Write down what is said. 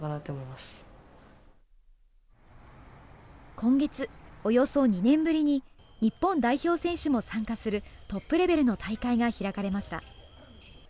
今月、およそ２年ぶりに、日本代表選手も参加するトップレベルの大会が開かれました。